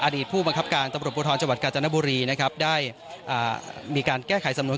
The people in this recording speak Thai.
อดีตผู้บังคับการตรวจฯจันทนบุรีได้มีการแก้ไขสำนวน